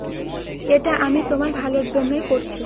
এটা আমি তোমার ভালোর জন্যই করছি।